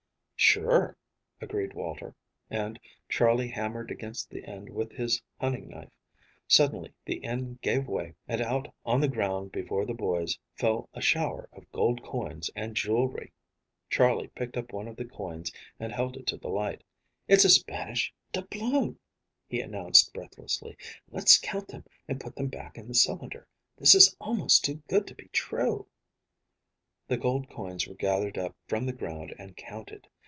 "Sure," agreed Walter, and Charley hammered against the end with his hunting knife. Suddenly the end gave way and out on the ground before the boys fell a shower of gold coins and jewelry. Charley picked up one of the coins and held it to the light. "It's a Spanish doubloon," he announced breathlessly. "Let's count them and put them back in the cylinder. This is almost too good to be true." The gold coins were gathered up from the ground and counted.